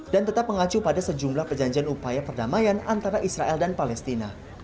dan tetap mengacu pada sejumlah perjanjian upaya perdamaian antara israel dan palestina